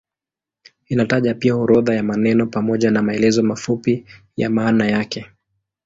Inataja pia orodha ya maneno pamoja na maelezo mafupi ya maana yake.